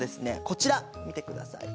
こちら見てください。